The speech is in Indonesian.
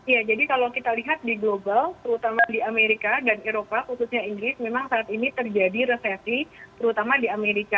ya jadi kalau kita lihat di global terutama di amerika dan eropa khususnya inggris memang saat ini terjadi resesi terutama di amerika